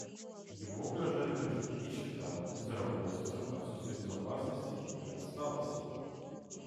Ему угрожают также нищета, безработица, отсутствие безопасности и отсталость.